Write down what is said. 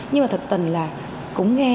nhưng mà thật tình là cũng nghe